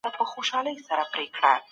په کتاب کې د څو مهمو ناولونو یادونه شوې ده.